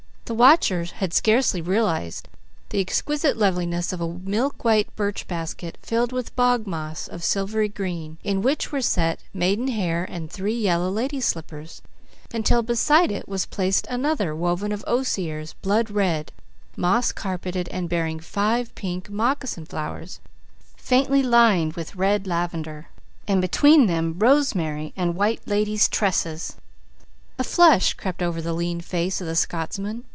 The watcher scarcely had realized the exquisite loveliness of a milk white birch basket filled with bog moss of silvery green, in which were set maidenhair and three yellow lady slippers, until beside it was placed another woven of osiers blood red, moss carpeted and bearing five pink moccasin flowers, faintly fined with red lavender; between them rosemary and white ladies' tresses. A flush crept over the lean face of the Scotsman.